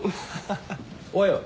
おはよう。